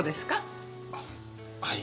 あっはい。